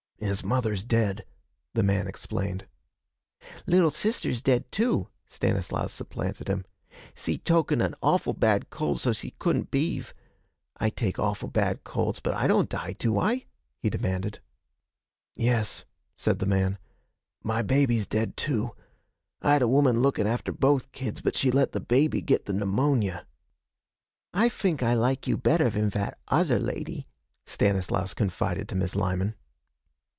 'His mother's dead,' the man explained. 'Little sister's dead, too,' Stanislaus supplemented him. 'S'e token a awful bad cold so s'e couldn't b'eave. I take awful bad colds, but I don't die, do I?' he demanded. 'Yes,' said the man, 'my baby's dead, too. I had a woman lookin' after both kids, but she let the baby git the pneumonia.' 'I fink I like you better van vat other lady,' Stanislaus confided to Miss Lyman.